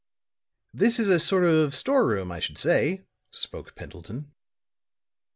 "This is a sort of store room, I should say," spoke Pendleton.